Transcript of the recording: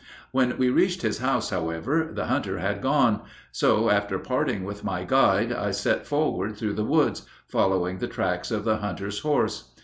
When we reached his house, however, the hunter had gone; so, after parting with my guide, I set forward through the woods, following the tracks of the hunter's horse.